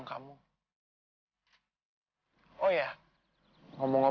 tidak usah tidak apa apa